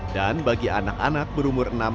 dan bagi anak anak berumur enam tahun